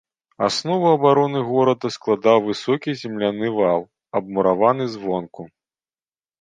Аснову абароны горада складаў высокі земляны вал, абмураваны звонку.